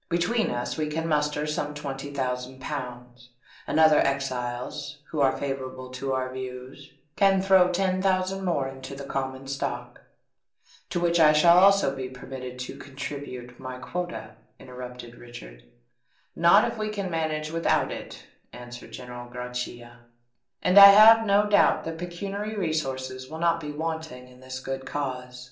Between us we can muster some twenty thousand pounds; and other exiles, who are favourable to our views, can throw ten thousand more into the common stock." "To which I shall also be permitted to contribute my quota," interrupted Richard. "Not if we can manage without it," answered General Grachia; "and I have no doubt that pecuniary resources will not be wanting in this good cause."